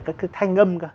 các cái thanh âm